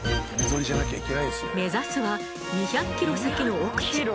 目指すは２００ｋｍ先の奥地。